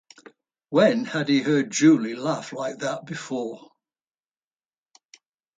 When had he heard Julie laugh like that before?